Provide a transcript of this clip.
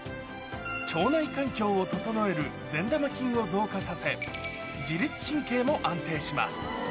腸内環境を整える善玉菌を増加させ、自律神経も安定します。